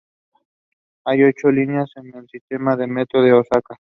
Hay ocho líneas en el sistema de metro de Osaka.